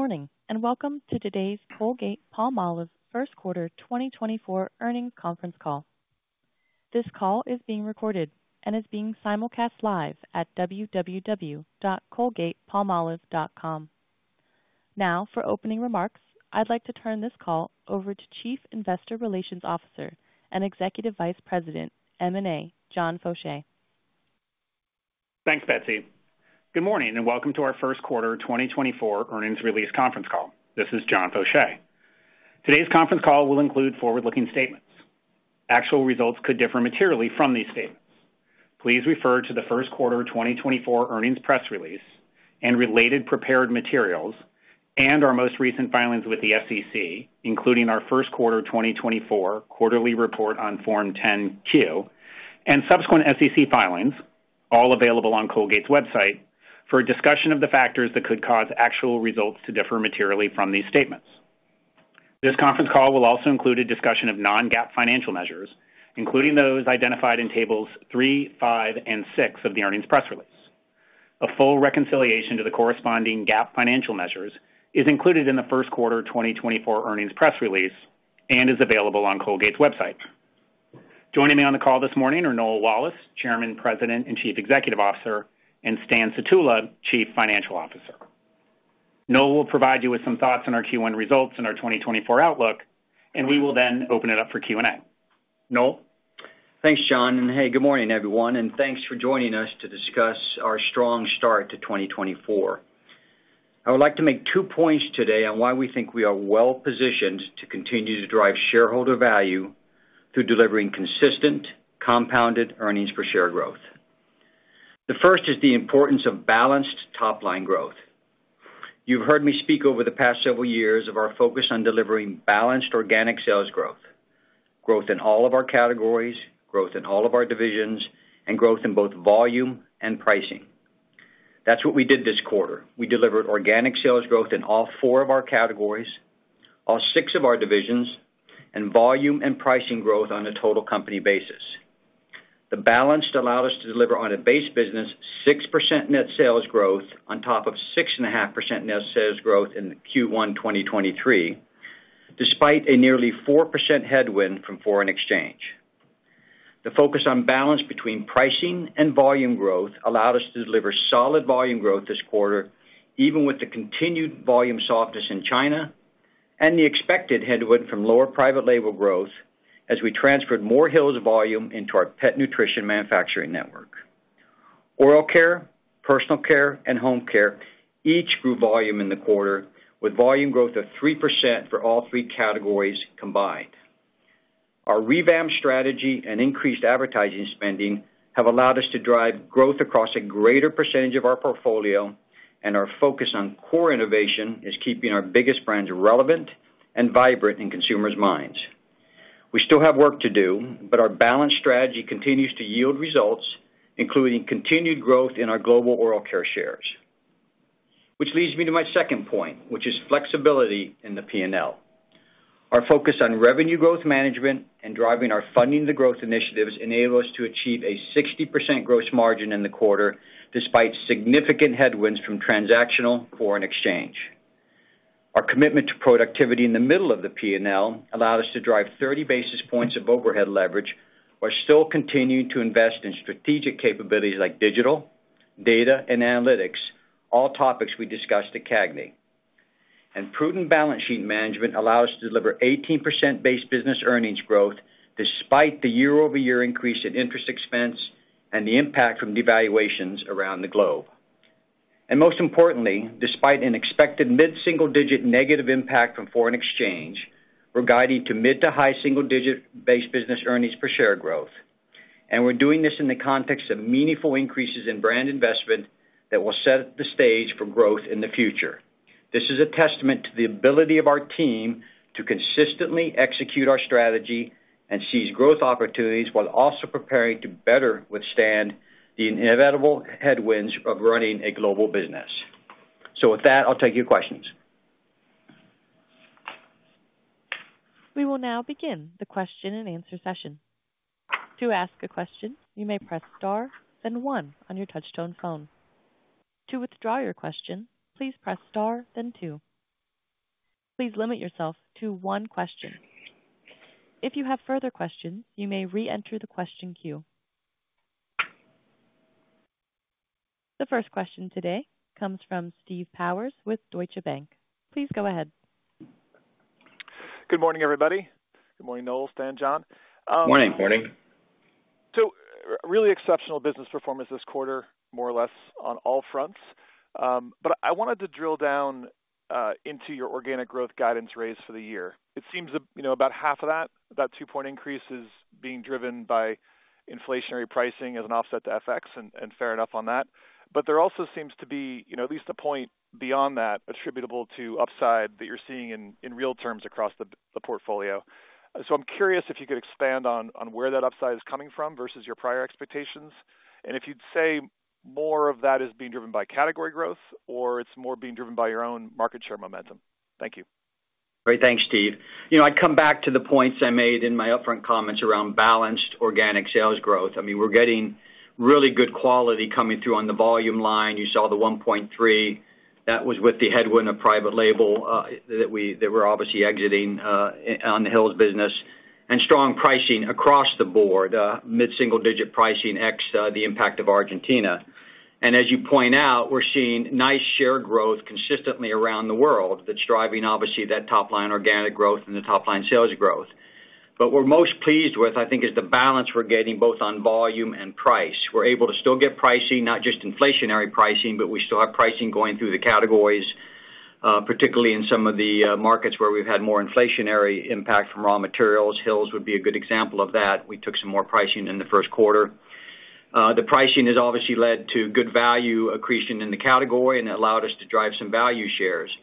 Good morning, and welcome to today's Colgate-Palmolive Q1 2024 Earnings Conference Call. This call is being recorded and is being simulcast live at www.colgatepalmolive.com. Now, for opening remarks, I'd like to turn this call over to Chief Investor Relations Officer and Executive Vice President, M&A, John Faucher. Thanks, Betsy. Good morning, and welcome to our Q1 2024 earnings release conference call. This is John Faucher. Today's conference call will include forward-looking statements. Actual results could differ materially from these statements. Please refer to the Q1 2024 earnings press release and related prepared materials and our most recent filings with the SEC, including our Q1 2024 quarterly report on Form 10-Q and subsequent SEC filings, all available on Colgate's website, for a discussion of the factors that could cause actual results to differ materially from these statements. This conference call will also include a discussion of non-GAAP financial measures, including those identified in tables three, five, and six of the earnings press release. A full reconciliation to the corresponding GAAP financial measures is included in the Q1 2024 earnings press release and is available on Colgate's website. Joining me on the call this morning are Noel Wallace, Chairman, President, and Chief Executive Officer, and Stan Sutula, Chief Financial Officer. Noel Wallace will provide you with some thoughts on our Q1 results and our 2024 outlook, and we will then open it up for Q&A. Noel Wallace? Thanks, John Faucher, and hey, good morning, everyone, and thanks for joining us to discuss our strong start to 2024. I would like to make two points today on why we think we are well-positioned to continue to drive shareholder value through delivering consistent compounded earnings per share growth. The first is the importance of balanced top-line growth. You've heard me speak over the past several years of our focus on delivering balanced organic sales growth, growth in all of our categories, growth in all of our divisions, and growth in both volume and pricing. That's what we did this quarter. We delivered organic sales growth in all four of our categories, all six of our divisions, and volume and pricing growth on a total company basis. The balance allowed us to deliver on a base business 6% net sales growth on top of 6.5% net sales growth in Q1 2023, despite a nearly 4% headwind from foreign exchange. The focus on balance between pricing and volume growth allowed us to deliver solid volume growth this quarter, even with the continued volume softness in China and the expected headwind from lower private-label growth as we transferred more Hill's volume into our Pet Nutrition manufacturing network. Oral Care, Personal care, and Home Care each grew volume in the quarter, with volume growth of 3% for all three categories combined. Our revamped strategy and increased advertising spending have allowed us to drive growth across a greater percentage of our portfolio, and our focus on core innovation is keeping our biggest brands relevant and vibrant in consumers' minds. We still have work to do, but our balanced strategy continues to yield results, including continued growth in our global Oral Care shares. Which leads me to my second point, which is flexibility in the P&L. Our focus on revenue growth management and driving our Funding the Growth initiatives enable us to achieve a 60% gross margin in the quarter, despite significant headwinds from transactional foreign exchange. Our commitment to productivity in the middle of the P&L allowed us to drive 30 basis points of overhead leverage, while still continuing to invest in strategic capabilities like digital, data, and analytics, all topics we discussed at CAGNY. Prudent balance sheet management allows us to deliver 18% base business earnings growth, despite the year-over-year increase in interest expense and the impact from devaluations around the globe. And most importantly, despite an expected mid-single-digit negative impact from foreign exchange, we're guiding to mid- to high-single-digit base business earnings per share growth. And we're doing this in the context of meaningful increases in brand investment that will set the stage for growth in the future. This is a testament to the ability of our team to consistently execute our strategy and seize growth opportunities, while also preparing to better withstand the inevitable headwinds of running a global business. So with that, I'll take your questions. We will now begin the Q&A session. To ask a question, you may press Star, then one on your touchtone phone. To withdraw your question, please press Star, then two. Please limit yourself to one question. If you have further questions, you may reenter the question queue. The first question today comes from Steve Powers with Deutsche Bank. Please go ahead. Good morning, everybody. Good morning, Noel Wallace, Stan Sutula, John Faucher. Morning. Morning. So really exceptional business performance this quarter, more or less on all fronts. But I wanted to drill down into your organic growth guidance raise for the year. It seems, you know, about half of that, about 2-point increase is being driven by inflationary pricing as an offset to FX, and fair enough on that. But there also seems to be, you know, at least a point beyond that, attributable to upside that you're seeing in, in real terms across the, the portfolio. So I'm curious if you could expand on, on where that upside is coming from versus your prior expectations, and if you'd say more of that is being driven by category growth or it's more being driven by your own market share momentum. Thank you.... Great, thanks, Steve Powers. You know, I come back to the points I made in my upfront comments around balanced organic sales growth. I mean, we're getting really good quality coming through on the volume line. You saw the 1.3. That was with the headwind of private-label that we-- that we're obviously exiting on the Hill's business, and strong pricing across the board, mid-single-digit pricing ex the impact of Argentina. And as you point out, we're seeing nice share growth consistently around the world that's driving, obviously, that top line organic growth and the top line sales growth. But we're most pleased with, I think, is the balance we're getting both on volume and price. We're able to still get pricing, not just inflationary pricing, but we still have pricing going through the categories, particularly in some of the markets where we've had more inflationary impact from raw materials. Hill's would be a good example of that. We took some more pricing in the Q1. The pricing has obviously led to good value accretion in the category, and it allowed us to drive some value shares.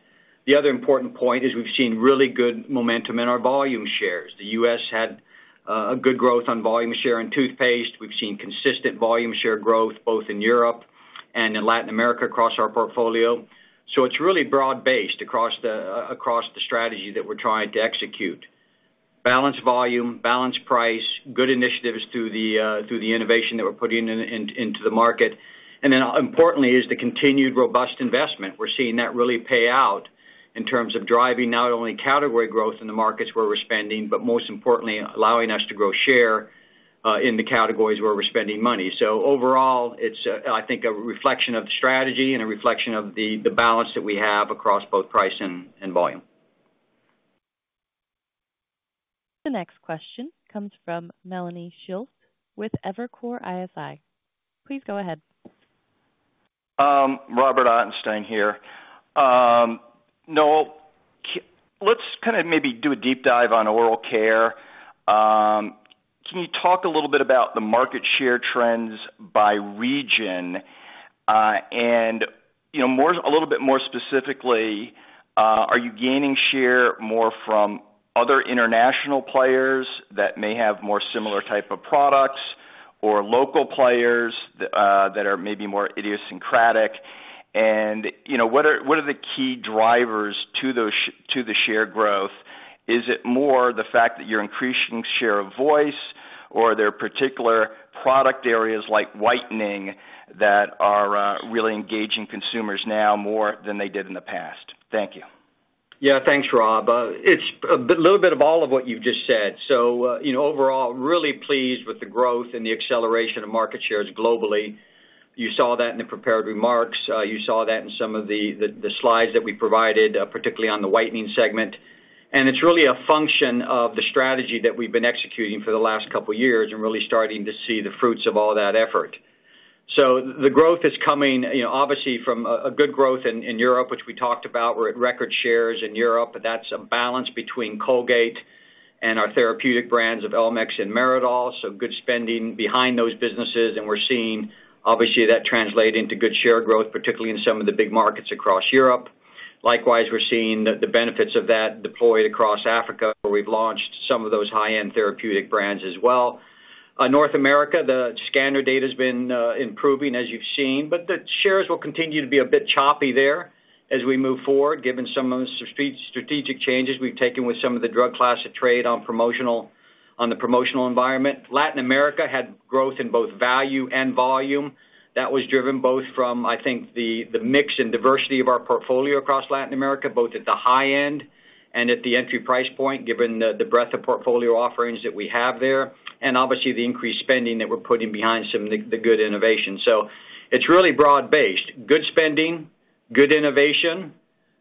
The other important point is we've seen really good momentum in our volume shares. The U.S. had a good growth on volume share in toothpaste. We've seen consistent volume share growth both in Europe and in Latin America across our portfolio. So it's really broad-based across the, across the strategy that we're trying to execute. Balanced volume, balanced price, good initiatives through the innovation that we're putting into the market. And then importantly, is the continued robust investment. We're seeing that really pay out in terms of driving not only category growth in the markets where we're spending, but most importantly, allowing us to grow share in the categories where we're spending money. So overall, it's a, I think, a reflection of the strategy and a reflection of the balance that we have across both price and volume. The next question comes from Melanie Schultz with Evercore ISI. Please go ahead. Robert Ottenstein here. Noel Wallace, let's kind of maybe do a deep dive on Oral Care. Can you talk a little bit about the market share trends by region? And, you know, a little bit more specifically, are you gaining share more from other international players that may have more similar type of products or local players that are maybe more idiosyncratic? And, you know, what are, what are the key drivers to those to the share growth? Is it more the fact that you're increasing share of voice, or are there particular product areas like whitening that are really engaging consumers now more than they did in the past? Thank you. Yeah, thanks, Rob. It's a little bit of all of what you've just said. So, you know, overall, really pleased with the growth and the acceleration of market shares globally. You saw that in the prepared remarks. You saw that in some of the slides that we provided, particularly on the whitening segment. And it's really a function of the strategy that we've been executing for the last couple of years and really starting to see the fruits of all that effort. So the growth is coming, you know, obviously, from a good growth in Europe, which we talked about. We're at record shares in Europe, but that's a balance between Colgate and our therapeutic brands of Elmex and Meridol. So good spending behind those businesses, and we're seeing, obviously, that translate into good share growth, particularly in some of the big markets across Europe. Likewise, we're seeing the benefits of that deployed across Africa, where we've launched some of those high-end therapeutic brands as well. North America, the scanner data has been improving, as you've seen, but the shares will continue to be a bit choppy there as we move forward, given some of the strategic changes we've taken with some of the drug class of trade on the promotional environment. Latin America had growth in both value and volume. That was driven both from, I think, the mix and diversity of our portfolio across Latin America, both at the high-end and at the entry price point, given the breadth of portfolio offerings that we have there, and obviously, the increased spending that we're putting behind some of the good innovation. So it's really broad-based. Good spending, good innovation,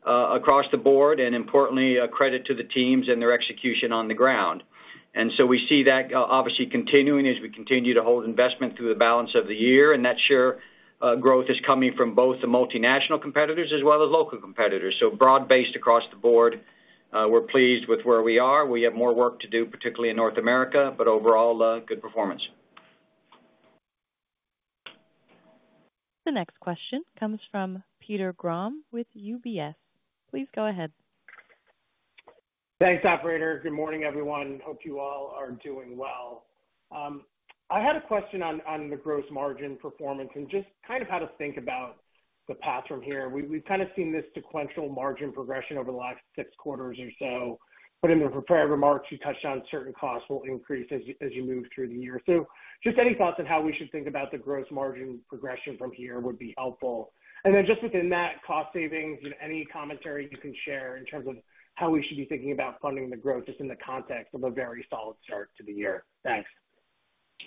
across the board, and importantly, a credit to the teams and their execution on the ground. And so we see that obviously continuing as we continue to hold investment through the balance of the year, and that share growth is coming from both the multinational competitors as well as local competitors. So broad-based across the board. We're pleased with where we are. We have more work to do, particularly in North America, but overall, good performance. The next question comes from Peter Grom with UBS. Please go ahead. Thanks, operator. Good morning, everyone. Hope you all are doing well. I had a question on the gross margin performance and just kind of how to think about the path from here. We've kind of seen this sequential margin progression over the last six quarters or so, but in the prepared remarks, you touched on certain costs will increase as you move through the year. So just any thoughts on how we should think about the gross margin progression from here would be helpful. And then just within that cost savings, and any commentary you can share in terms of how we should be thinking about funding the growth, just in the context of a very solid start to the year. Thanks.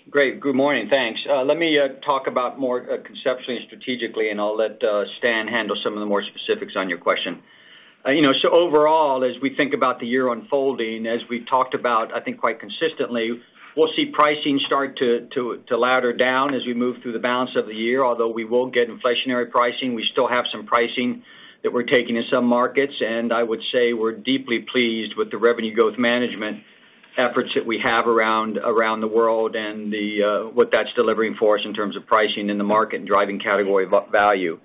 Great. Good morning, thanks. Let me talk about more conceptually and strategically, and I'll let Stan Sutula handle some of the more specifics on your question. You know, so overall, as we think about the year unfolding, as we talked about, I think quite consistently, we'll see pricing start to ladder down as we move through the balance of the year, although we will get inflationary pricing. We still have some pricing that we're taking in some markets, and I would say we're deeply pleased with the Revenue Growth Management efforts that we have around the world and what that's delivering for us in terms of pricing in the market and driving category value.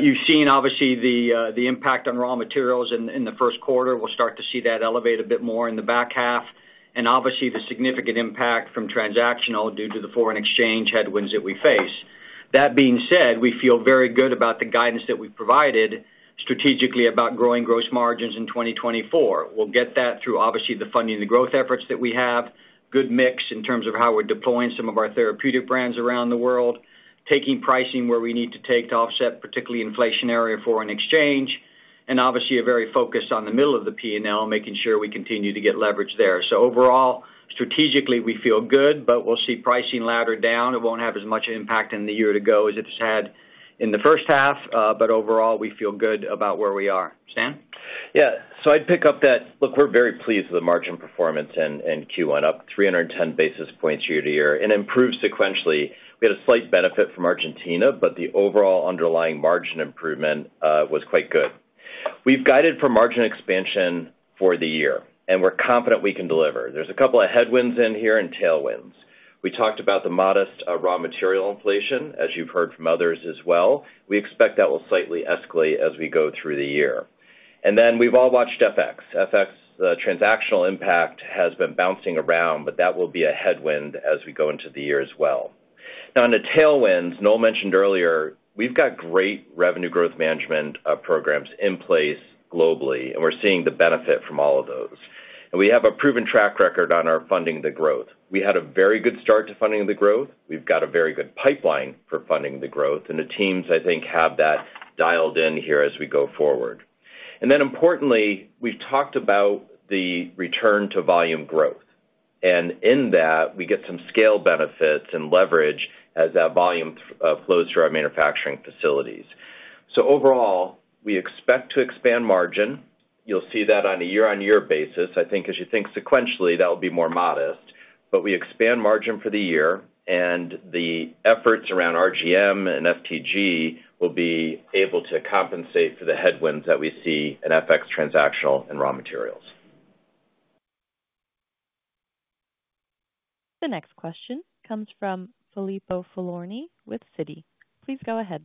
You've seen, obviously, the impact on raw materials in the Q1. We'll start to see that elevate a bit more in the back half. And obviously, the significant impact from transactional due to the foreign exchange headwinds that we face. That being said, we feel very good about the guidance that we've provided strategically about growing gross margins in 2024. We'll get that through, obviously, the funding, the growth efforts that we have, good mix in terms of how we're deploying some of our therapeutic brands around the world, taking pricing where we need to take to offset, particularly inflationary foreign exchange, and obviously, are very focused on the middle of the P&L, making sure we continue to get leverage there. So overall, strategically, we feel good, but we'll see pricing ladder down. It won't have as much impact in the year to go as it's had in the first half, but overall, we feel good about where we are. Stan Sutula? Yeah. So I'd pick up that. Look, we're very pleased with the margin performance in Q1, up 310 basis points year-to-year and improved sequentially. We had a slight benefit from Argentina, but the overall underlying margin improvement was quite good. We've guided for margin expansion for the year, and we're confident we can deliver. There's a couple of headwinds in here and tailwinds. We talked about the modest raw material inflation, as you've heard from others as well. We expect that will slightly escalate as we go through the year. And then we've all watched FX. FX, the transactional impact has been bouncing around, but that will be a headwind as we go into the year as well. Now, on the tailwinds, Noel Wallace mentioned earlier, we've got great revenue growth management programs in place globally, and we're seeing the benefit from all of those. And we have a proven track record on our Funding the Growth. We had a very good start to Funding the Growth. We've got a very good pipeline for Funding the Growth, and the teams, I think, have that dialed in here as we go forward. And then importantly, we've talked about the return to volume growth, and in that, we get some scale benefits and leverage as that volume flows through our manufacturing facilities. So overall, we expect to expand margin. You'll see that on a year-on-year basis. I think as you think sequentially, that will be more modest. But we expand margin for the year, and the efforts around RGM and FTG will be able to compensate for the headwinds that we see in FX, transactional, and raw materials. The next question comes from Filippo Falorni with Citi. Please go ahead.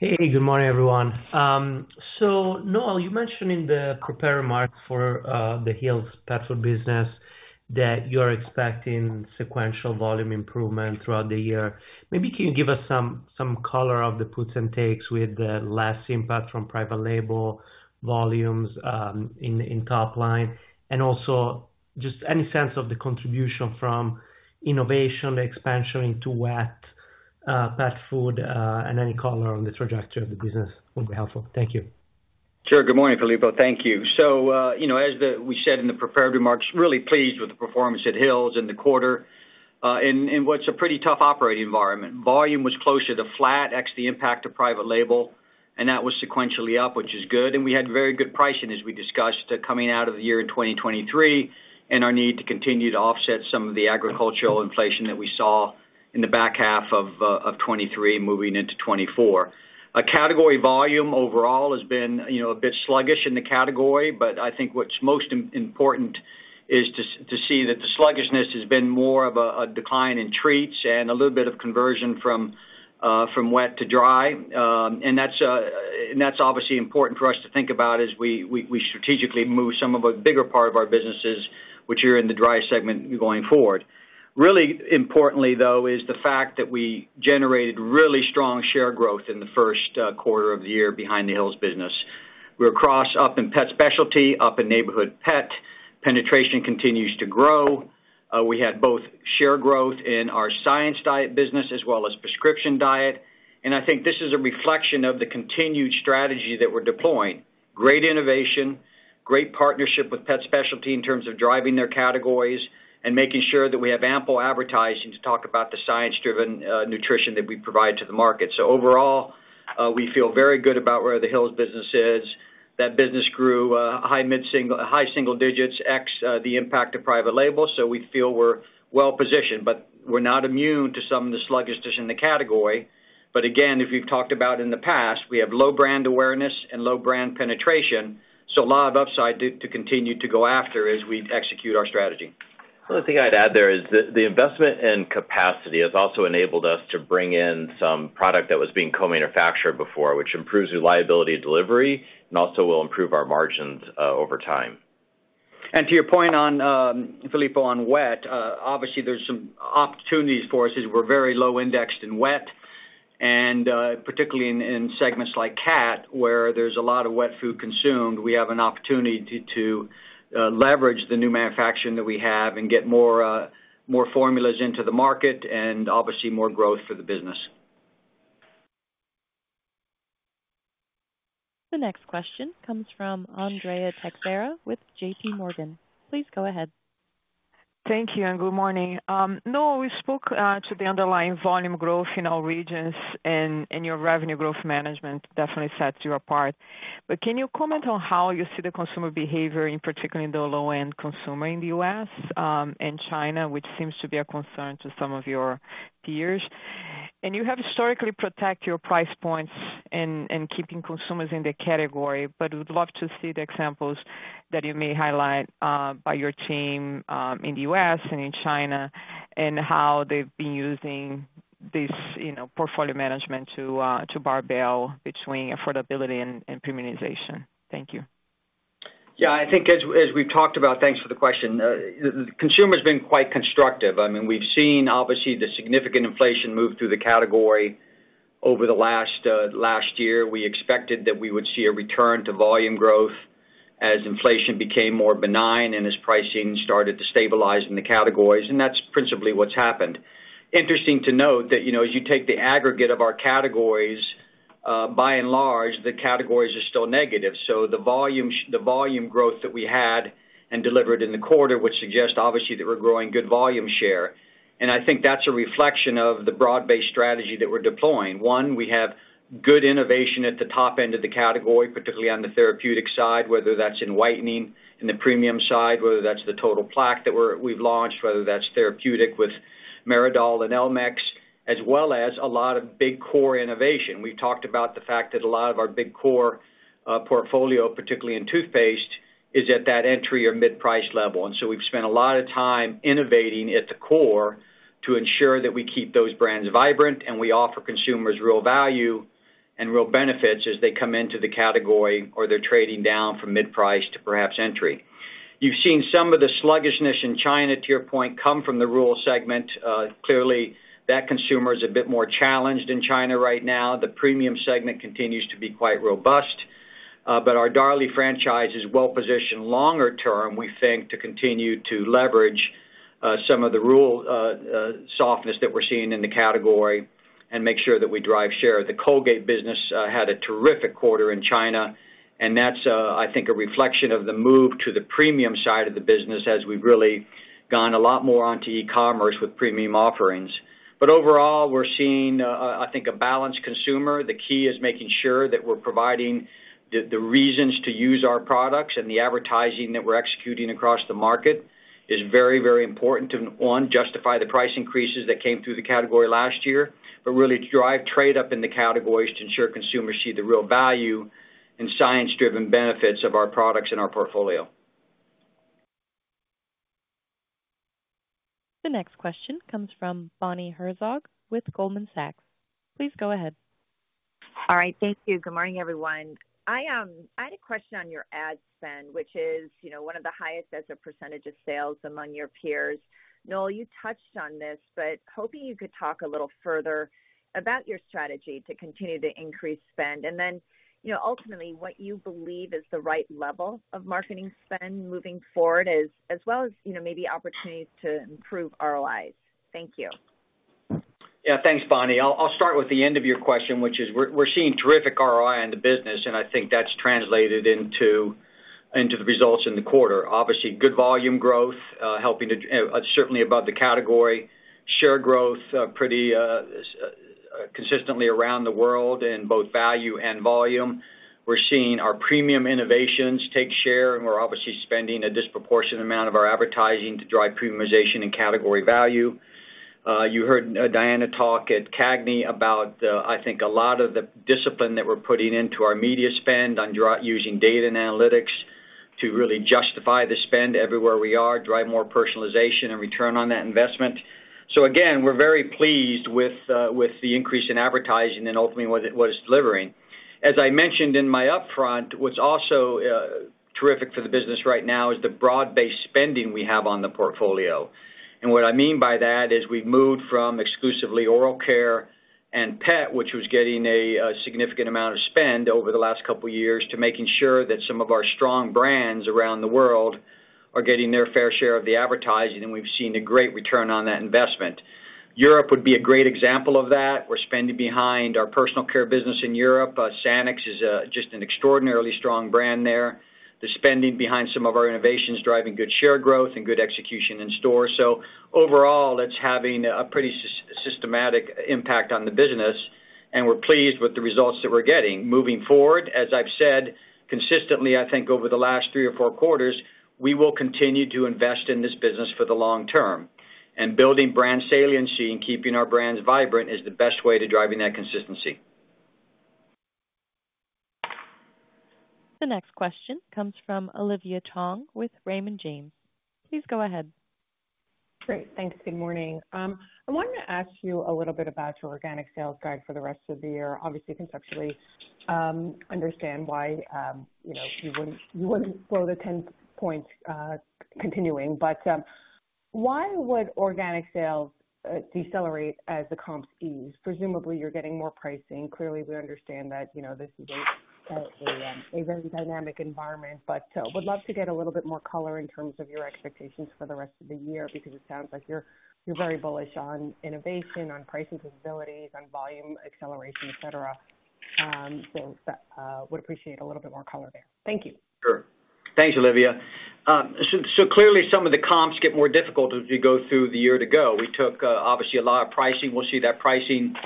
Hey, good morning, everyone. So Noel Wallace, you mentioned in the prepared remarks for the Hill's Pet Food business that you're expecting sequential volume improvement throughout the year. Maybe can you give us some, some color of the puts and takes with the less impact from private-label volumes in top line? And also, just any sense of the contribution from innovation, expansion into wet pet food, and any color on the trajectory of the business would be helpful. Thank you. Sure. Good morning, Filippo Falorni. Thank you. So, you know, as we said in the prepared remarks, really pleased with the performance at Hill's in the quarter, in what's a pretty tough operating environment. Volume was closer to flat, ex the impact of private-label, and that was sequentially up, which is good. And we had very good pricing, as we discussed, coming out of the year in 2023, and our need to continue to offset some of the agricultural inflation that we saw in the back half of 2023 moving into 2024. A category volume overall has been, you know, a bit sluggish in the category, but I think what's most important is to see that the sluggishness has been more of a decline in treats and a little bit of conversion from wet to dry. And that's, and that's obviously important for us to think about as we, we strategically move some of a bigger part of our businesses, which are in the dry segment going forward. Really importantly, though, is the fact that we generated really strong share growth in the Q1 of the year behind the Hill's business. We're across, up in pet specialty, up in Neighborhood Pet. Penetration continues to grow. We had both share growth in our Science Diet business as well as Prescription Diet, and I think this is a reflection of the continued strategy that we're deploying. Great innovation, great partnership with pet specialty in terms of driving their categories, and making sure that we have ample advertising to talk about the science-driven nutrition that we provide to the market. So overall, we feel very good about where the Hill's business is. That business grew high-single-digits, ex the impact of private-label, so we feel we're well positioned, but we're not immune to some of the sluggishness in the category. But again, as we've talked about in the past, we have low brand awareness and low brand penetration, so a lot of upside to continue to go after as we execute our strategy. The only thing I'd add there is the investment in capacity has also enabled us to bring in some product that was being co-manufactured before, which improves reliability of delivery and also will improve our margins over time. And to your point on Filippo Falorni, on wet, obviously, there's some opportunities for us as we're very low indexed in wet, and particularly in segments like cat, where there's a lot of wet food consumed, we have an opportunity to leverage the new manufacturing that we have and get more formulas into the market and obviously more growth for the business. The next question comes from Andrea Teixeira with J.P. Morgan. Please go ahead. Thank you, and good morning. Noel Wallace, we spoke to the underlying volume growth in all regions, and your revenue growth management definitely sets you apart. But can you comment on how you see the consumer behavior, in particular the low-end consumer in the U.S., and China, which seems to be a concern to some of your peers? And you have historically protect your price points and keeping consumers in the category, but we'd love to see the examples that you may highlight by your team in the U.S. and in China, and how they've been using this, you know, portfolio management to to barbell between affordability and premiumization. Thank you. ... Yeah, I think as we've talked about, thanks for the question. The consumer's been quite constructive. I mean, we've seen, obviously, the significant inflation move through the category over the last year. We expected that we would see a return to volume growth as inflation became more benign and as pricing started to stabilize in the categories, and that's principally what's happened. Interesting to note that, you know, as you take the aggregate of our categories, by and large, the categories are still negative. So the volume growth that we had and delivered in the quarter, which suggests, obviously, that we're growing good volume share. And I think that's a reflection of the broad-based strategy that we're deploying. One, we have good innovation at the top end of the category, particularly on the therapeutic side, whether that's in whitening in the premium side, whether that's the Total Plaque that we've launched, whether that's Therapeutic with Meridol and Elmex, as well as a lot of big core innovation. We've talked about the fact that a lot of our big core portfolio, particularly in toothpaste, is at that entry or mid-price level. And so we've spent a lot of time innovating at the core to ensure that we keep those brands vibrant, and we offer consumers real value and real benefits as they come into the category, or they're trading down from mid-price to perhaps entry. You've seen some of the sluggishness in China, to your point, come from the rural segment. Clearly, that consumer is a bit more challenged in China right now. The premium segment continues to be quite robust, but our Darlie franchise is well-positioned longer-term, we think, to continue to leverage some of the rural softness that we're seeing in the category and make sure that we drive share. The Colgate business had a terrific quarter in China, and that's, I think, a reflection of the move to the premium side of the business as we've really gone a lot more onto e-commerce with premium offerings. But overall, we're seeing, I think, a balanced consumer. The key is making sure that we're providing the reasons to use our products, and the advertising that we're executing across the market is very, very important to, one, justify the price increases that came through the category last year, but really to drive trade up in the categories to ensure consumers see the real value and science-driven benefits of our products and our portfolio. The next question comes from Bonnie Herzog with Goldman Sachs. Please go ahead. All right, thank you. Good morning, everyone. I, I had a question on your ad spend, which is, you know, one of the highest as a percentage of sales among your peers. Noel Wallace, you touched on this, but hoping you could talk a little further about your strategy to continue to increase spend, and then, you know, ultimately, what you believe is the right level of marketing spend moving forward, as, as well as, you know, maybe opportunities to improve ROIs. Thank you. Yeah, thanks, Bonnie Herzog. I'll, I'll start with the end of your question, which is we're, we're seeing terrific ROI in the business, and I think that's translated into, into the results in the quarter. Obviously, good volume growth, helping to... Certainly above the category. Share growth, pretty consistently around the world in both value and volume. We're seeing our premium innovations take share, and we're obviously spending a disproportionate amount of our advertising to drive premiumization and category value. You heard Diana Geofroy talk at CAGNY about, I think a lot of the discipline that we're putting into our media spend on using data and analytics to really justify the spend everywhere we are, drive more personalization and return on that investment. So again, we're very pleased with the increase in advertising and ultimately what it, what it's delivering. As I mentioned in my upfront, what's also terrific for the business right now is the broad-based spending we have on the portfolio. What I mean by that is we've moved from exclusively Oral Care and Pet, which was getting a significant amount of spend over the last couple of years, to making sure that some of our strong brands around the world are getting their fair share of the advertising, and we've seen a great return on that investment. Europe would be a great example of that. We're spending behind our Personal care business in Europe. Sanex is just an extraordinarily strong brand there. The spending behind some of our innovations, driving good share growth and good execution in store. Overall, that's having a pretty systematic impact on the business, and we're pleased with the results that we're getting. Moving forward, as I've said, consistently, I think over the last three or four quarters, we will continue to invest in this business for the long-term. Building brand saliency and keeping our brands vibrant is the best way to driving that consistency. The next question comes from Olivia Tong with Raymond James. Please go ahead. Great. Thanks. Good morning. I wanted to ask you a little bit about your organic sales guide for the rest of the year. Obviously, conceptually, understand why, you know, you wouldn't, you wouldn't grow the 10 points continuing. But, why would organic sales decelerate as the comps ease? Presumably, you're getting more pricing. Clearly, we understand that, you know, this is a a very dynamic environment, but, would love to get a little bit more color in terms of your expectations for the rest of the year, because it sounds like you're, you're very bullish on innovation, on pricing capabilities, on volume acceleration, et cetera. So, would appreciate a little bit more color there. Thank you. Sure. Thanks, Olivia Tong. So clearly, some of the comps get more difficult as we go through the year-to-go. We took obviously a lot of pricing. We'll see that pricing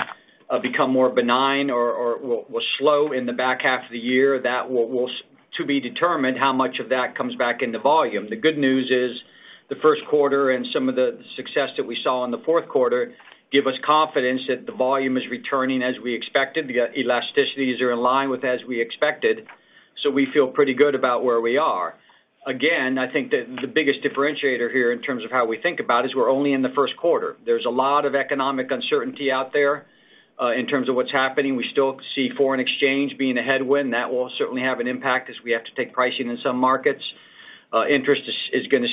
become more benign or will slow in the back half of the year. That will still be determined how much of that comes back into volume. The good news is, the Q1 and some of the success that we saw in the Q4 give us confidence that the volume is returning as we expected. The elasticities are in line with as we expected, so we feel pretty good about where we are. Again, I think that the biggest differentiator here in terms of how we think about is we're only in the Q1. There's a lot of economic uncertainty out there in terms of what's happening. We still see foreign exchange being a headwind, and that will certainly have an impact as we have to take pricing in some markets. Interest is gonna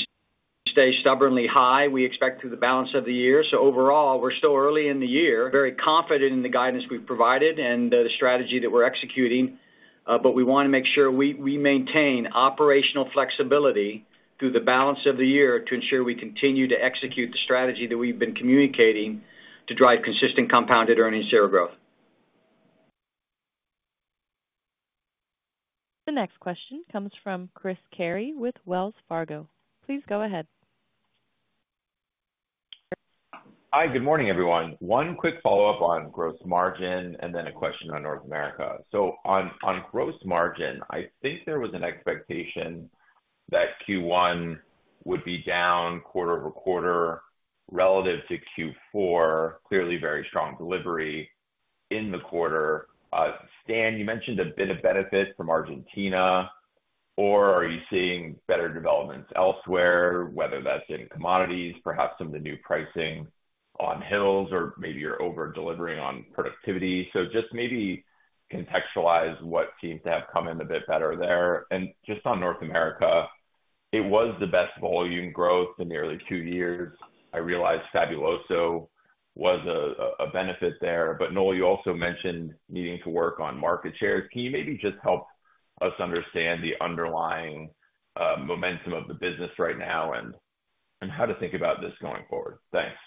stay stubbornly high, we expect, through the balance of the year. So overall, we're still early in the year, very confident in the guidance we've provided and the strategy that we're executing, but we wanna make sure we maintain operational flexibility through the balance of the year to ensure we continue to execute the strategy that we've been communicating to drive consistent compounded earnings share growth. The next question comes from Chris Carey with Wells Fargo. Please go ahead. Hi, good morning, everyone. One quick follow-up on gross margin and then a question on North America. So on, on gross margin, I think there was an expectation that Q1 would be down quarter-over-quarter relative to Q4, clearly very strong delivery in the quarter. Stan Sutula, you mentioned a bit of benefit from Argentina, or are you seeing better developments elsewhere, whether that's in commodities, perhaps some of the new pricing on Hill's, or maybe you're over-delivering on productivity? So just maybe contextualize what seems to have come in a bit better there. And just on North America, it was the best volume growth in nearly two years. I realize Fabuloso was a, a benefit there. But Noel Wallace, you also mentioned needing to work on market shares. Can you maybe just help us understand the underlying, momentum of the business right now and, and how to think about this going forward? Thanks.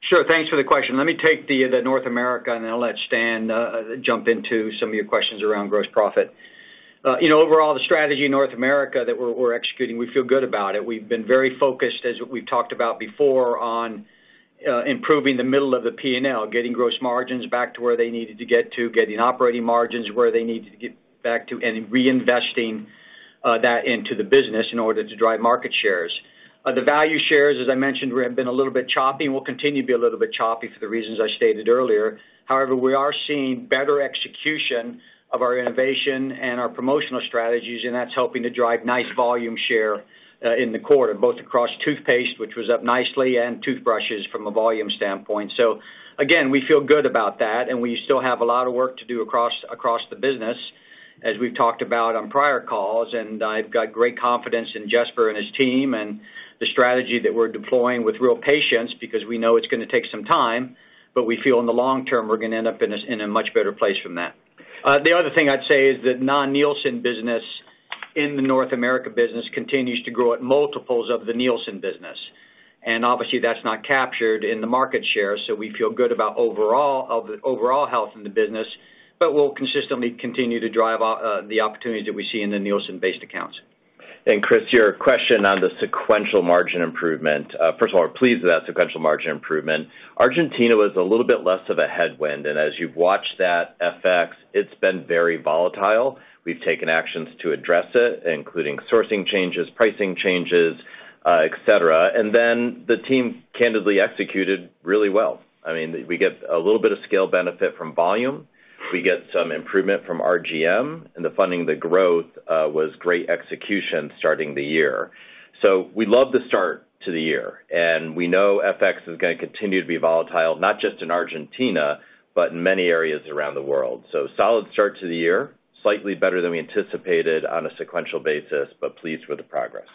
Sure. Thanks for the question. Let me take the North America, and then I'll let Stan Sutula jump into some of your questions around gross profit. You know, overall, the strategy in North America that we're executing, we feel good about it. We've been very focused, as we've talked about before, on improving the middle of the P&L, getting gross margins back to where they needed to get to, getting operating margins where they needed to get back to, and reinvesting that into the business in order to drive market shares. The value shares, as I mentioned, have been a little bit choppy, and will continue to be a little bit choppy for the reasons I stated earlier. However, we are seeing better execution of our innovation and our promotional strategies, and that's helping to drive nice volume share in the quarter, both across toothpaste, which was up nicely, and toothbrushes from a volume standpoint. So again, we feel good about that, and we still have a lot of work to do across, across the business, as we've talked about on prior calls, and I've got great confidence in Jesper Nordengaard and his team and the strategy that we're deploying with real patience, because we know it's gonna take some time, but we feel in the long-term, we're gonna end up in a, in a much better place from that. The other thing I'd say is the non-Nielsen business in the North America business continues to grow at multiples of the Nielsen business, and obviously, that's not captured in the market share, so we feel good about the overall health in the business, but we'll consistently continue to drive off the opportunities that we see in the Nielsen-based accounts. And, Chris Carey, your question on the sequential margin improvement. First of all, we're pleased with that sequential margin improvement. Argentina was a little bit less of a headwind, and as you've watched that FX, it's been very volatile. We've taken actions to address it, including sourcing changes, pricing changes, et cetera. And then the team candidly executed really well. I mean, we get a little bit of scale benefit from volume. We get some improvement from RGM, and the funding, the growth, was great execution starting the year. So we love the start to the year, and we know FX is gonna continue to be volatile, not just in Argentina, but in many areas around the world. So solid start to the year, slightly better than we anticipated on a sequential basis, but pleased with the progress.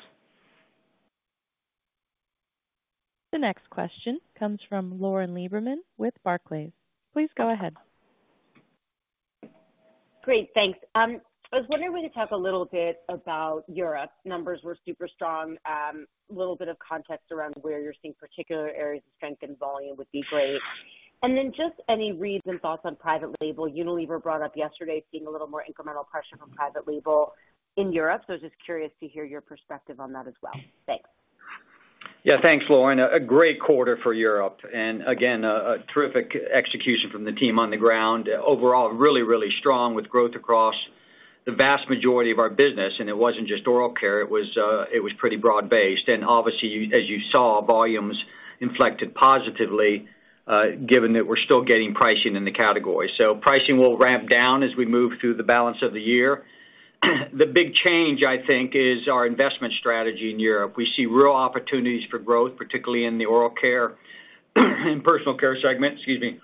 The next question comes from Lauren Lieberman with Barclays. Please go ahead. Great, thanks. I was wondering if we could talk a little bit about Europe. Numbers were super strong. A little bit of context around where you're seeing particular areas of strength and volume would be great. And then just any recent thoughts on private-label. Unilever brought up yesterday, seeing a little more incremental pressure from private-label in Europe, so just curious to hear your perspective on that as well. Thanks. Yeah, thanks, Lauren Lieberman. A great quarter for Europe, and again, a terrific execution from the team on the ground. Overall, really, really strong with growth across the vast majority of our business, and it wasn't just Oral Care, it was pretty broad-based. And obviously, as you saw, volumes inflected positively, given that we're still getting pricing in the category. So pricing will ramp-down as we move through the balance of the year. The big change, I think, is our investment strategy in Europe. We see real opportunities for growth, particularly in the Oral Care and Personal care segment, excuse me,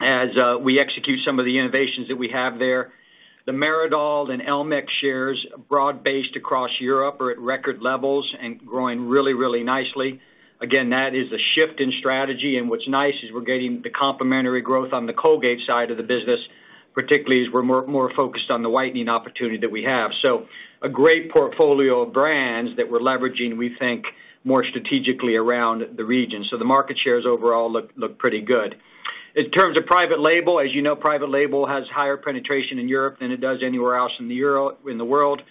as we execute some of the innovations that we have there. The Meridol and Elmex shares, broad-based across Europe, are at record levels and growing really, really nicely. Again, that is a shift in strategy, and what's nice is we're getting the complementary growth on the Colgate side of the business, particularly as we're more, more focused on the whitening opportunity that we have. So a great portfolio of brands that we're leveraging, we think, more strategically around the region. So the market shares overall look, look pretty good. In terms of private-label, as you know, private-label has higher penetration in Europe than it does anywhere else in the world.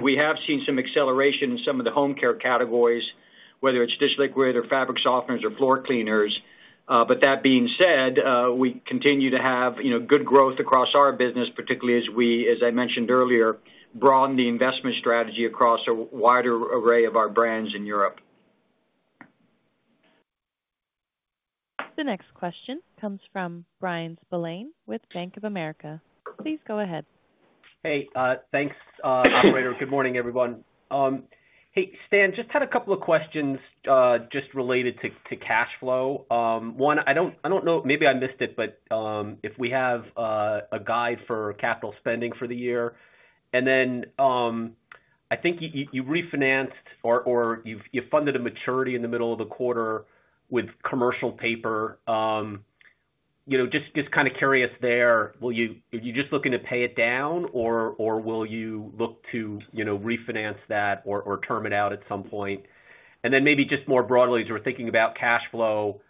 We have seen some acceleration in some of the Home Care categories, whether it's dish liquid or fabric softeners or floor cleaners. But that being said, we continue to have, you know, good growth across our business, particularly as we, as I mentioned earlier, broaden the investment strategy across a wider array of our brands in Europe. The next question comes from Bryan Spillane with Bank of America. Please go ahead. Hey, thanks, operator. Good morning, everyone. Hey, Stan Sutula, just had a couple of questions, just related to cash flow. One, I don't know, maybe I missed it, but if we have a guide for capital spending for the year? And then, I think you refinanced or you funded a maturity in the middle of the quarter with commercial paper. You know, just kinda curious there, will you, are you just looking to pay it down, or will you look to, you know, refinance that or term it out at some point? Maybe just more broadly, as we're thinking about cash flow,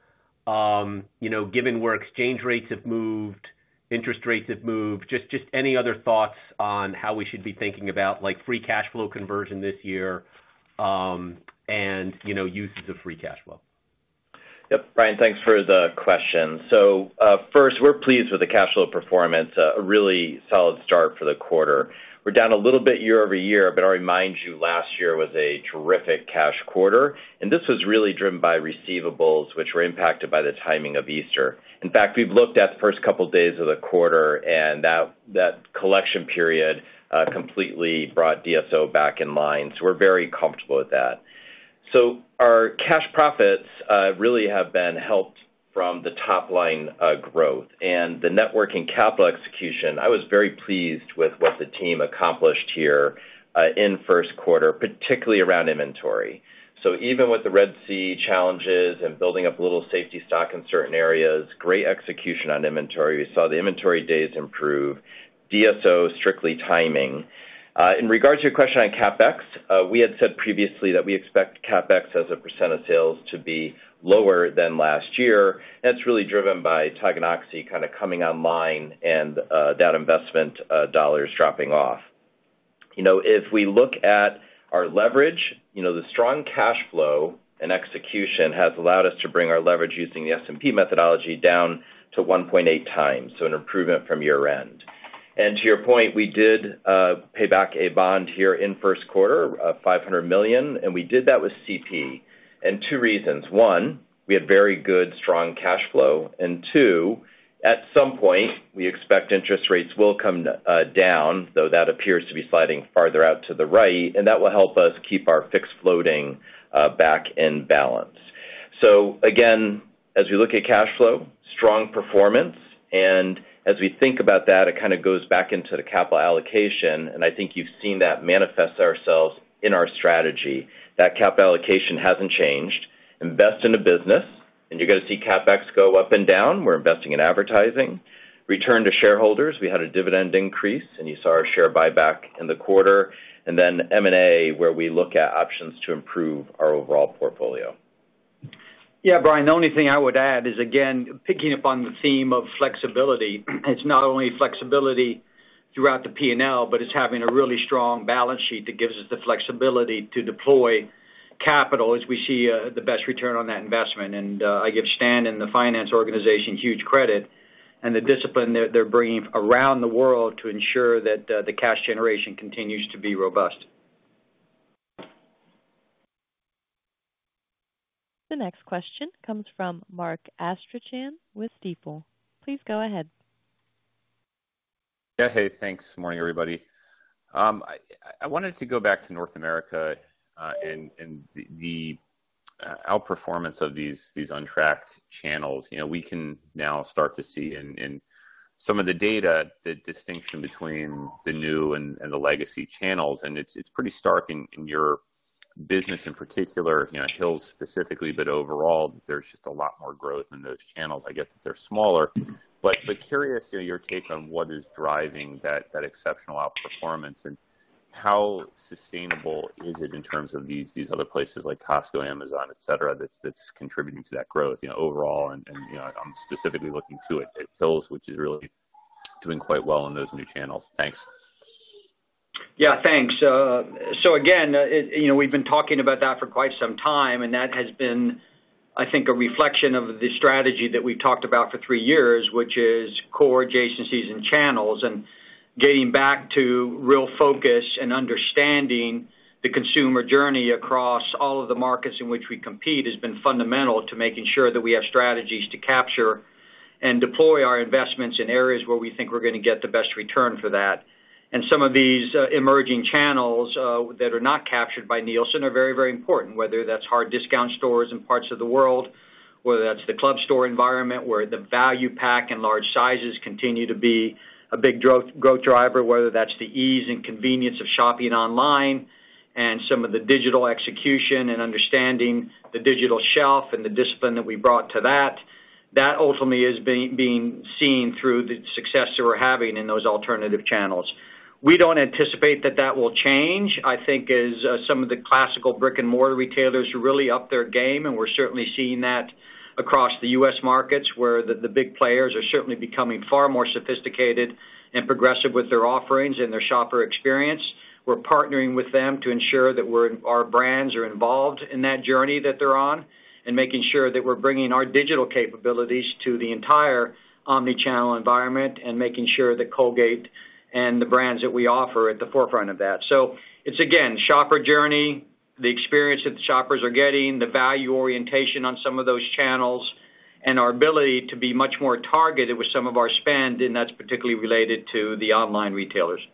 you know, given where exchange rates have moved, interest rates have moved, just any other thoughts on how we should be thinking about, like, free cash flow conversion this year, and, you know, uses of free cash flow? Yep. Bryan Spillane, thanks for the question. So, first, we're pleased with the cash flow performance, a really solid start for the quarter. We're down a little bit year-over-year, but I remind you, last year was a terrific cash quarter, and this was really driven by receivables, which were impacted by the timing of Easter. In fact, we've looked at the first couple of days of the quarter, and that collection period completely brought DSO back in line. So we're very comfortable with that. So our cash profits really have been helped from the top line growth and the net working capital execution. I was very pleased with what the team accomplished here in Q1, particularly around inventory. So even with the Red Sea challenges and building up a little safety stock in certain areas, great execution on inventory. We saw the inventory days improve, DSO, strictly timing. In regards to your question on CapEx, we had said previously that we expect CapEx as a % of sales to be lower than last year, and it's really driven by Tonganoxie kind of coming online and that investment dollars dropping off. You know, if we look at our leverage, you know, the strong cash flow and execution has allowed us to bring our leverage using the S&P methodology down to 1.8x, so an improvement from year-end. And to your point, we did pay back a bond here in Q1, $500 million, and we did that with CP. And two reasons: one, we had very good, strong cash flow, and two, at some point, we expect interest rates will come down, though that appears to be sliding farther out to the right, and that will help us keep our fixed floating back in balance. So again, as we look at cash flow, strong performance, and as we think about that, it kinda goes back into the capital allocation, and I think you've seen that manifest itself in our strategy. That capital allocation hasn't changed. Invest in the business, and you're gonna see CapEx go up and down. We're investing in advertising. Return to shareholders, we had a dividend increase, and you saw our share buyback in the quarter, and then M&A, where we look at options to improve our overall portfolio. Yeah, Brian, the only thing I would add is, again, picking up on the theme of flexibility. It's not only flexibility throughout the P&L, but it's having a really strong balance sheet that gives us the flexibility to deploy capital as we see the best return on that investment. And I give Stan Sutula and the finance organization huge credit and the discipline they're bringing around the world to ensure that the cash generation continues to be robust. The next question comes from Mark Astrachan with Stifel. Please go ahead. Yeah, hey, thanks. Morning, everybody. I wanted to go back to North America, and the outperformance of these untracked channels. You know, we can now start to see in some of the data, the distinction between the new and the legacy channels, and it's pretty stark in your business, in particular, you know, Hill's specifically, but overall, there's just a lot more growth in those channels. I get that they're smaller, but curious, you know, your take on what is driving that exceptional outperformance, and how sustainable is it in terms of these other places like Costco, Amazon, et cetera, that's contributing to that growth, you know, overall, and you know, I'm specifically looking at Hill's, which is really doing quite well in those new channels. Thanks. Yeah, thanks. So again, it, you know, we've been talking about that for quite some time, and that has been, I think, a reflection of the strategy that we talked about for three years, which is core adjacencies and channels. And getting back to real focus and understanding the consumer journey across all of the markets in which we compete, has been fundamental to making sure that we have strategies to capture and deploy our investments in areas where we think we're gonna get the best return for that. Some of these emerging channels that are not captured by Nielsen are very, very important, whether that's hard discount stores in parts of the world, whether that's the club store environment, where the value pack and large sizes continue to be a big growth driver, whether that's the ease and convenience of shopping online, and some of the digital execution and understanding the digital shelf and the discipline that we brought to that, that ultimately is being seen through the success that we're having in those alternative channels. We don't anticipate that that will change. I think as some of the classical brick-and-mortar retailers really up their game, and we're certainly seeing that across the U.S. markets, where the big players are certainly becoming far more sophisticated and progressive with their offerings and their shopper experience. We're partnering with them to ensure that our brands are involved in that journey that they're on, and making sure that we're bringing our digital capabilities to the entire omni-channel environment and making sure that Colgate and the brands that we offer are at the forefront of that. So it's, again, shopper journey, the experience that the shoppers are getting, the value orientation on some of those channels, and our ability to be much more targeted with some of our spend, and that's particularly related to the online retailers.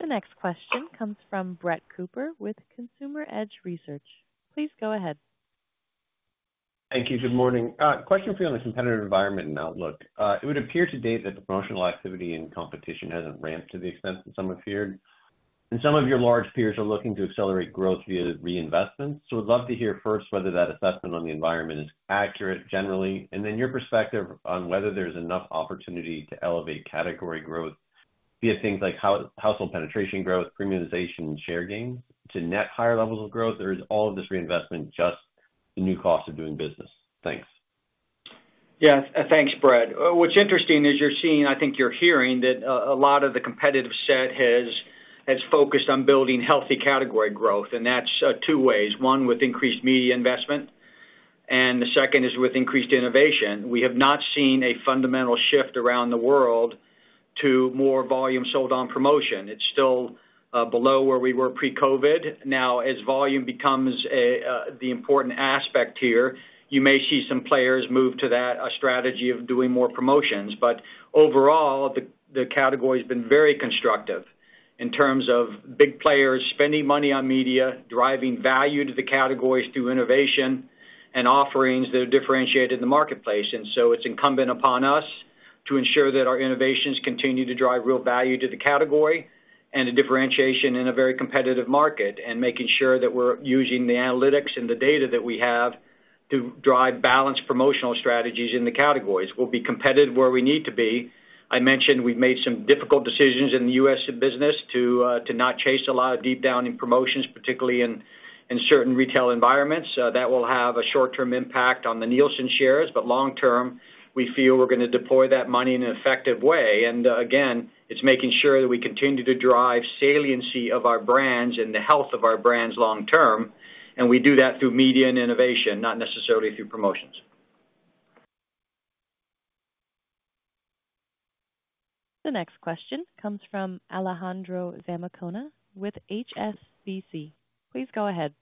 The next question comes from Brett Cooper with Consumer Edge Research. Please go ahead. Thank you. Good morning. Question for you on the competitive environment and outlook. It would appear to date that the promotional activity and competition hasn't ramped to the extent that some have feared, and some of your large peers are looking to accelerate growth via reinvestment. We'd love to hear first, whether that assessment on the environment is accurate generally, and then your perspective on whether there's enough opportunity to elevate category growth via things like household penetration growth, premiumization, and share gains to net higher levels of growth, or is all of this reinvestment just the new cost of doing business? Thanks. Yeah, thanks, Brett Cooper. What's interesting is you're seeing, I think you're hearing, that a lot of the competitive set has focused on building healthy category growth, and that's two ways. One, with increased media investment, and the second is with increased innovation. We have not seen a fundamental shift around the world to more volume sold on promotion. It's still below where we were pre-COVID. Now, as volume becomes the important aspect here, you may see some players move to that strategy of doing more promotions. But overall, the category has been very constructive in terms of big players spending money on media, driving value to the categories through innovation and offerings that are differentiated in the marketplace. So it's incumbent upon us to ensure that our innovations continue to drive real value to the category and a differentiation in a very competitive market, and making sure that we're using the analytics and the data that we have to drive balanced promotional strategies in the categories. We'll be competitive where we need to be. I mentioned we've made some difficult decisions in the U.S. business to, to not chase a lot of deep down in promotions, particularly in, in certain retail environments. That will have a short-term impact on the Nielsen shares, but long-term, we feel we're gonna deploy that money in an effective way. And again, it's making sure that we continue to drive saliency of our brands and the health of our brands long-term, and we do that through media and innovation, not necessarily through promotions. The next question comes from Alejandro Zamacona with HSBC. Please go ahead.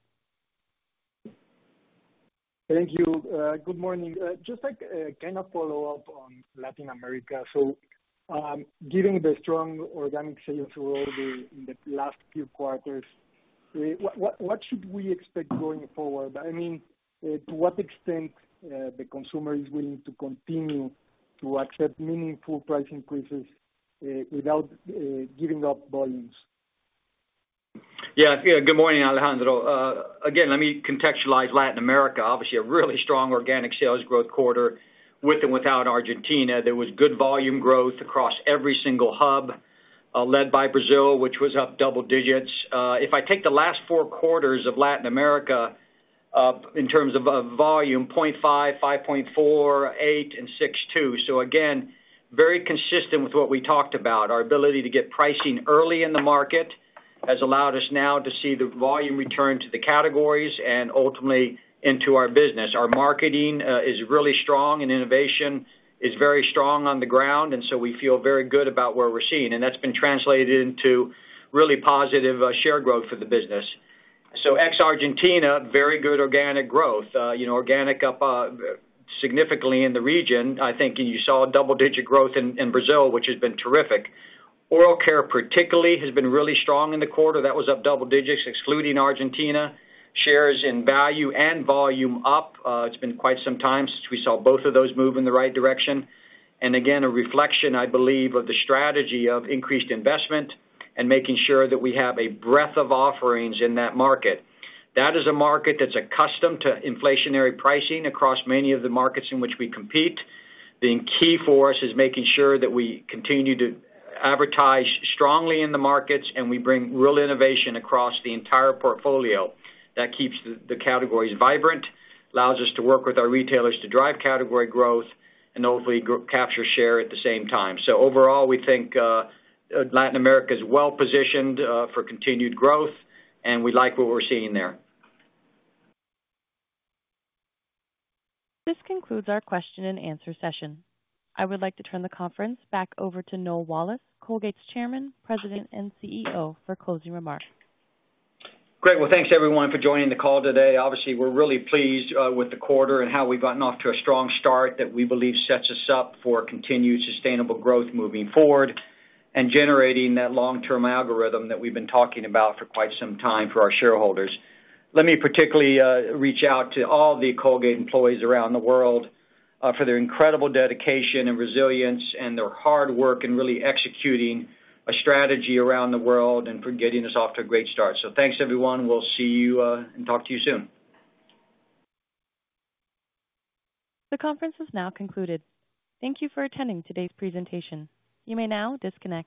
Thank you. Good morning. Just like, kind of follow up on Latin America. So, given the strong organic sales growth in the last few quarters, what should we expect going forward? I mean, to what extent the consumer is willing to continue to accept meaningful price increases, without giving up volumes? Yeah, yeah. Good morning, Alejandro Zamacona. Again, let me contextualize Latin America. Obviously, a really strong organic sales growth quarter with and without Argentina. There was good volume growth across every single hub, led by Brazil, which was up double-digits. If I take the last four quarters of Latin America, in terms of volume, 0.5, 5.4, 8, and 6.2. So again, very consistent with what we talked about. Our ability to get pricing early in the market has allowed us now to see the volume return to the categories and ultimately into our business. Our marketing is really strong, and innovation is very strong on the ground, and so we feel very good about where we're seeing, and that's been translated into really positive share growth for the business. So ex-Argentina, very good organic growth. You know, organic up significantly in the region. I think you saw double-digit growth in Brazil, which has been terrific. Oral Care, particularly, has been really strong in the quarter. That was up double digits, excluding Argentina. Shares in value and volume up. It's been quite some time since we saw both of those move in the right direction. And again, a reflection, I believe, of the strategy of increased investment and making sure that we have a breadth of offerings in that market. That is a market that's accustomed to inflationary pricing across many of the markets in which we compete. The key for us is making sure that we continue to advertise strongly in the markets, and we bring real innovation across the entire portfolio. That keeps the categories vibrant, allows us to work with our retailers to drive category growth and hopefully capture share at the same time. So overall, we think Latin America is well positioned for continued growth, and we like what we're seeing there. This concludes our Q&A session. I would like to turn the conference back over to Noel Wallace, Colgate's Chairman, President, and CEO, for closing remarks. Great. Well, thanks everyone for joining the call today. Obviously, we're really pleased with the quarter and how we've gotten off to a strong start that we believe sets us up for continued sustainable growth moving forward and generating that long-term algorithm that we've been talking about for quite some time for our shareholders. Let me particularly reach out to all the Colgate employees around the world for their incredible dedication and resilience and their hard work in really executing a strategy around the world and for getting us off to a great start. So thanks, everyone. We'll see you and talk to you soon. The conference is now concluded. Thank you for attending today's presentation. You may now disconnect.